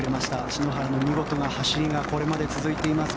篠原の見事な走りがこれまで続いています